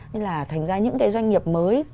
nên là thành ra những cái doanh nghiệp mới